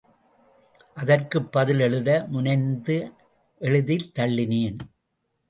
அதற்குப் பதில் எழுத முனைந்து எழுதித் தள்ளினேன்.